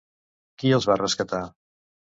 Qui els va rescatar?